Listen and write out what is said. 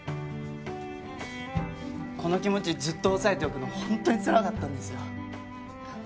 この気持ちずっと抑えておくの本当につらかったんですよ。